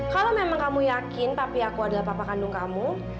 kalau memang kamu yakin tapi aku adalah papa kandung kamu